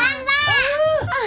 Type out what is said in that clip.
ああ！